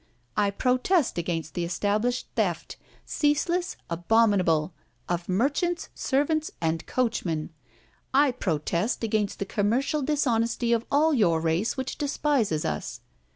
I protest against the established theft, ceaseless and abominable, of merchants, servants, and coachmen. I protest against the commercial dishonesty of all your race which despises us.